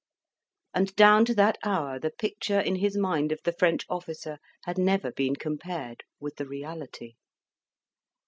And down to that hour the picture in his mind of the French officer had never been compared with the reality.